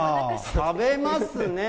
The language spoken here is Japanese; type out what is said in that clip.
食べますね。